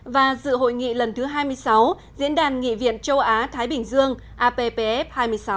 và dự hội nghị lần thứ hai mươi sáu diễn đàn nghị viện châu á thái bình dương appf hai mươi sáu